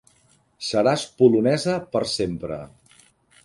Seràs polonesa per sempre.